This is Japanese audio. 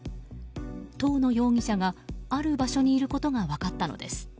東野容疑者が、ある場所にいることが分かったのです。